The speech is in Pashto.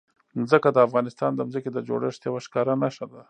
ځمکه د افغانستان د ځمکې د جوړښت یوه ښکاره نښه ده.